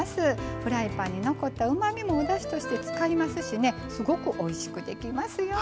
フライパンに残ったうまみもおだしとして使いますしすごくおいしくできますよ。